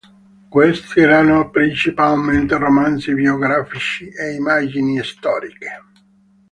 Questi erano principalmente romanzi biografici e immagini storiche.